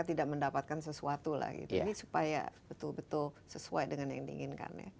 ini supaya betul betul sesuai dengan yang diinginkan